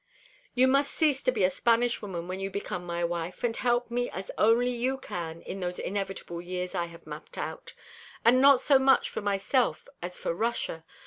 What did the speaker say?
"You must cease to be a Spanish woman when you become my wife, and help me as only you can in those inevitable years I have mapped out; and not so much for myself as for Russia.